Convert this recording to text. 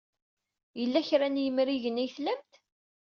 Yella kra n yimrigen ay tlam?